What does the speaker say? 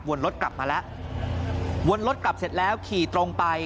รถกลับมาแล้ววนรถกลับเสร็จแล้วขี่ตรงไป